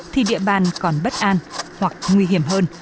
thì địa bàn còn bất an hoặc nguy hiểm hơn